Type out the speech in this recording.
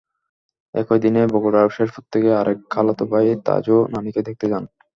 একই দিনে বগুড়ার শেরপুর থেকে আরেক খালাতো ভাই তাজও নানিকে দেখতে যান।